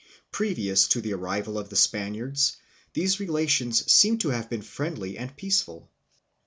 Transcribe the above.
Pre vious to the arrival of the Spaniards these relations seem to have been friendly and peaceful.